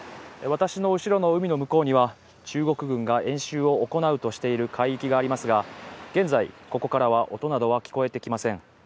私の後ろの海の向こうには中国軍が演習を行うとしている海域がありますが、現在、ここからは音などは聞こえてきません。